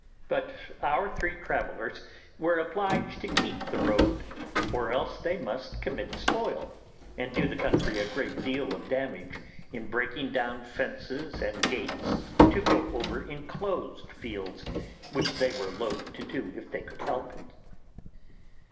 But our three travellers were obliged to keep the road, or else they must commit spoil, and do the country a great deal of damage in breaking down fences and gates to go over enclosed fields, which they were loth to do if they could help it.